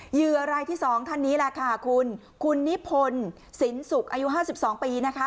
เหยื่อรายที่สองท่านนี้แหละค่ะคุณคุณนิพพลศิลป์สุขอายุห้าสิบสองปีนะคะ